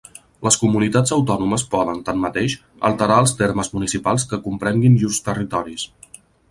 Les comunitats autònomes poden, tanmateix, alterar els termes municipals que comprenguin llurs territoris.